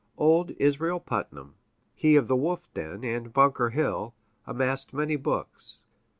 Old Israel Putnam, he of the wolf den and Bunker Hill, amassed many books.